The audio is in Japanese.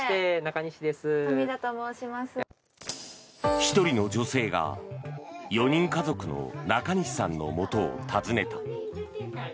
１人の女性が４人家族の中西さんのもとを訪ねた。